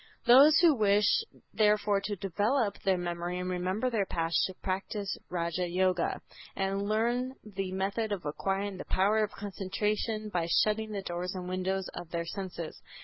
Those who wish therefore to develop their memory and remember their past should practice Raja Yoga and learn the method of acquiring the power of concentration by shutting the doors and windows of their senses.